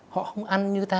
họ không ăn như ta